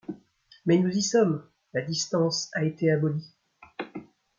Mais nous y sommes : la distance a été abolie.